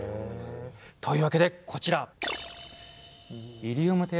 というわけでこちら！